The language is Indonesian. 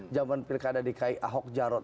zaman pilkada dki ahok jarot